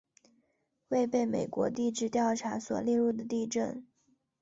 未被美国地质调查所列入的地震